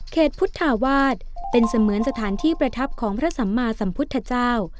พุทธาวาสเป็นเสมือนสถานที่ประทับของพระสัมมาสัมพุทธเจ้า